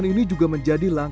sebagai wadah masyarakat yang